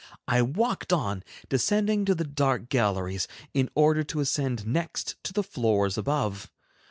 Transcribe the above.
I walked on, descending to the dark galleries, in order to ascend next to the floors above.